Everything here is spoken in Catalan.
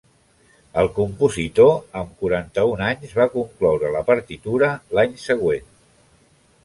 El compositor, amb quaranta-un anys, va concloure la partitura l'any següent.